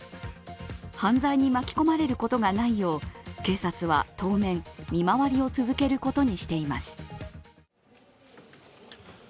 犯罪に巻き込まれることがないよう警察は当面、見回りを続けることにしています。